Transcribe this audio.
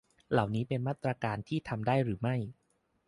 เหล่านี้เป็นมาตรการที่ทำได้หรือไม่